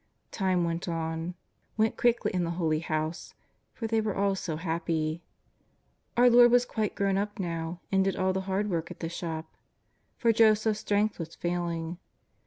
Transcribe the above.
Time went on, went quickly in the Holy House, for they were all so happy. Our Lord was quite grown up now, and did all the hard work at the shop. For Jo seph's strength was failing.